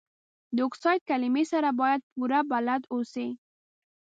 د اکسایډ کلمې سره باید پوره بلد اوسئ.